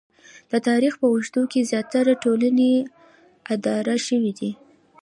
د تاریخ په اوږدو کې زیاتره ټولنې اداره شوې دي